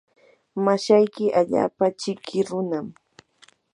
mashayki allaapa chiki runam.